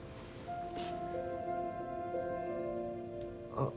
あっ。